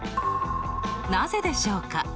なぜでしょうか？